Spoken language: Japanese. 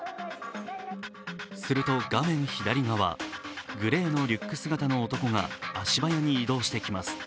すると画面左側、グレーのリュック姿の男が足早に移動してきます。